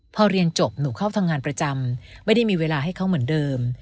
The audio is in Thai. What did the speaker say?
พอเรียนจบหนูเข้าทำงานประจำไม่ได้มีเวลาให้เขาเหมือนเดิม